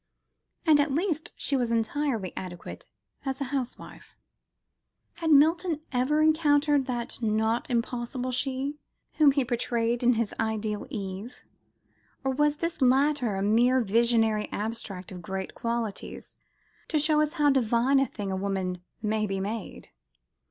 And at least she was entirely adequate as a housewife. Had Milton ever encountered that "not impossible She" whom he portrayed in his ideal Eve? or was this latter a mere visionary abstract of great qualities, "to show us how divine a thing a woman may be made"?